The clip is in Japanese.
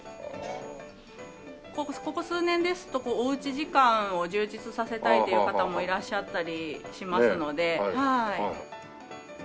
ここ数年ですとおうち時間を充実させたいという方もいらっしゃったりしますのではい。